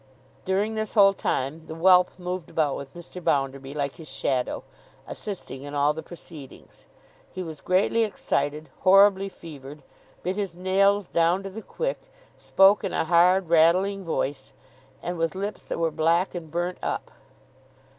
During this whole time the whelp moved about with Mr. Bounderby like his shadow, assisting in all the proceedings. He was greatly excited, horribly fevered, bit his nails down to the quick, spoke in a hard rattling voice, and with lips that were black and burnt up.